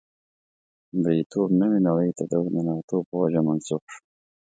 مرییتوب نوې نړۍ ته د ورننوتو په وجه منسوخ شو.